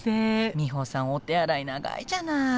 ミホさんお手洗い長いじゃない。